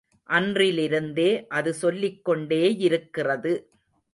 அன்றிலிருந்தே அது சொல்லிக்கொண்டேயிருக்கிறது.